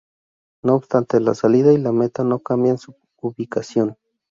No obstante, la salida y la meta no cambian su ubicación.